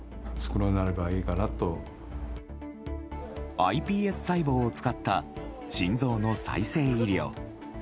ｉＰＳ細胞を使った心臓の再生医療。